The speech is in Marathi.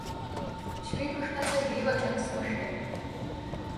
श्रीकृष्णाचे हे वचन स्पष्ट आहे.